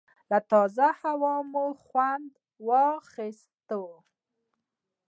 له تازه هوا مو خوند واخیست.